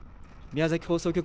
宮崎放送局